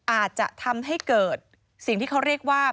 อาจจะทำให้เกิดสิ่งที่เขาเรียกว่า